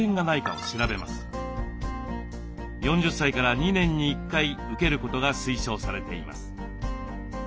４０歳から２年に１回受けることが推奨されています。